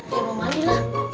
ya mau mandilah